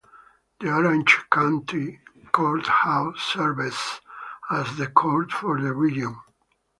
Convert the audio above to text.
The Orange County Courthouse serves as the court for the region.